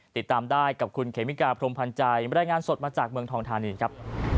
ติดตามได้กับคุณเขมิกาพรมพันธ์ใจบรรยายงานสดมาจากเมืองทองธานีครับ